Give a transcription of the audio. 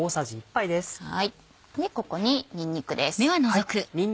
ここににんにくです。